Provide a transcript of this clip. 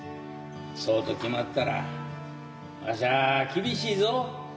そうと決まったらわしゃ厳しいぞ。